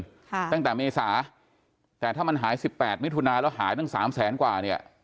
ตั้งแต่เมษาแต่ถ้ามันหายสิบแปดมิถุนาแล้วหายตั้งสามแสนกว่าเนี่ย